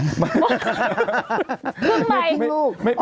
ครึ่งไมค์